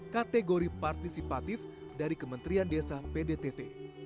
kategori partisipatif dari kementerian desa pdtt